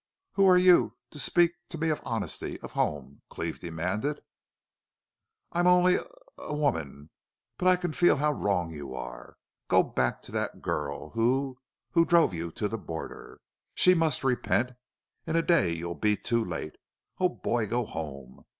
"Who are you to speak to me of honesty of home?" Cleve demanded. "I'm only a a woman.... But I can feel how wrong you are.... Go back to that girl who who drove you to the border.... She must repent. In a day you'll be too late.... Oh, boy, go home!